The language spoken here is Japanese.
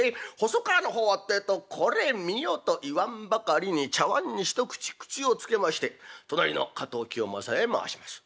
細川の方はってえと「これ見よ」と言わんばかりに茶わんに一口口をつけまして隣の加藤清正へ回します。